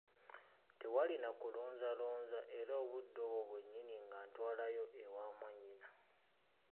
Tewaali na kulonzalonza era obudde obwo bwennyini ng'antwalayo ewa mwannyina.